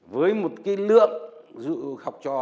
với một cái lượng dự học trò